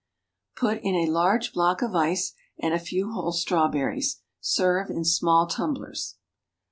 Put in a large block of ice, and a few whole strawberries. Serve in small tumblers.